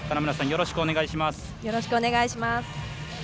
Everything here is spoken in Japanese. よろしくお願いします。